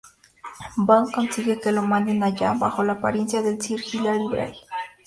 Bond consigue que lo manden allá, bajo la apariencia de Sir Hillary Bray.